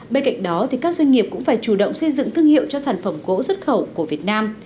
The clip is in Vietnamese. bên cạnh đó các doanh nghiệp cũng phải chủ động xây dựng thương hiệu cho sản phẩm gỗ xuất khẩu của việt nam